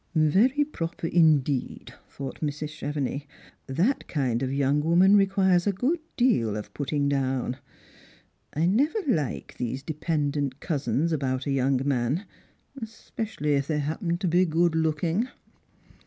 "Very proper indeed," thought Mrs. Chevenix; "that kind of young woman requires a good deal of putting down. I never like the. o dependent cousins about a young man — especially if they happen to be good looking."